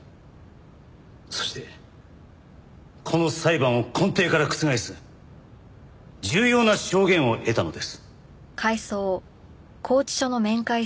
そしてこの裁判を根底から覆す重要な証言を得たのです。